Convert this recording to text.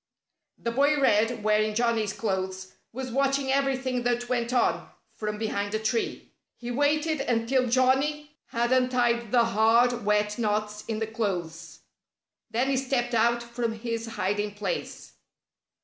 The boy Red, wearing Johnnie's clothes, was watching everything that went on, from behind a tree. He waited until Johnnie had untied the hard, wet knots in the clothes. Then he stepped out from his hiding place.